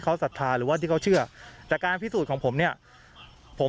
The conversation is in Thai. เขาศรัทธาหรือว่าที่เขาเชื่อแต่การพิสูจน์ของผมเนี่ยผม